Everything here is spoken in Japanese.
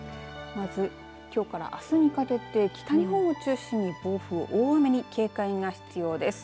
まず、きょうからあすにかけて北日本を中心に暴風、大雨に警戒が必要です。